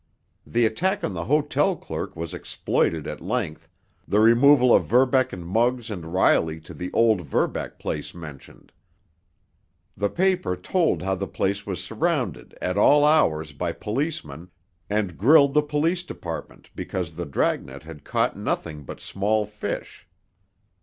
The attack on the hotel clerk was exploited at length, the removal of Verbeck and Muggs and Riley to the old Verbeck place mentioned. The paper told how the place was surrounded at all hours by policemen, and grilled the police department because the dragnet had caught nothing but small fish.